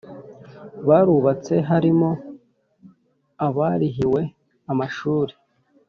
barubatse Harimo abarihiwe amashuri